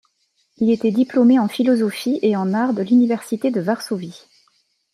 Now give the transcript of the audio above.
Il était diplômé en philosophie et en arts de l'université de Varsovie.